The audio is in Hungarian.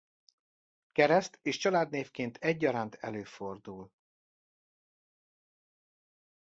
Kereszt- és családnévként egyaránt előfordul.